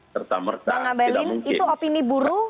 serta merta tidak mungkin bang abalin itu opini buruh